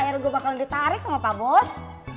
thr gua bakal ditarik sama pak bos